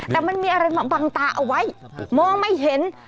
แต่มันมีอะไรมาบังตาเอาไว้มองไม่เห็น